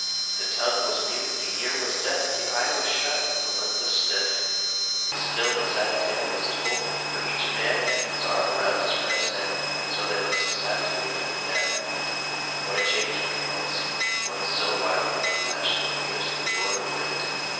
The tongue was mute, the ear was deaf, the eye was shut, and the lip was stiff; still the sad tale was told, for each had his arm round his friend's neck, and so they must have sat to wait for death. What a change had come on the scene, once so wild with the lash of the waves and the roar of the wind!